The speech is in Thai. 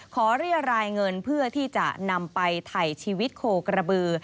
เรียรายเงินเพื่อที่จะนำไปถ่ายชีวิตโคกระบือ